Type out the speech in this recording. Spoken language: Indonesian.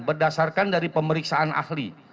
berdasarkan dari pemeriksaan ahli